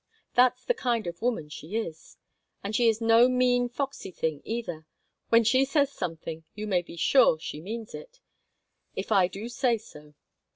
That's the kind of woman she is. And she is no mean, foxy thing, either. When she says something you may be sure she means it, if I do say so.